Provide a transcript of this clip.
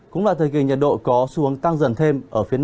cũng là thời kỳ nhiệt độ có xu hướng tăng dần thêm